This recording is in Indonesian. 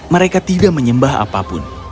mereka tidak menyembah apapun